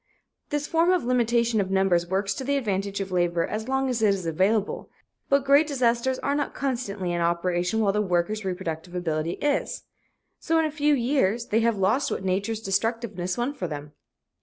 This form of limitation of numbers works to the advantage of labor as long as it is available, but great disasters are not constantly in operation while the worker's reproductive ability is. So in a few years they have lost what nature's destructiveness won for them.